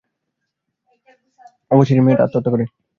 অবশেষে মেয়েটা আত্মহত্যা করে।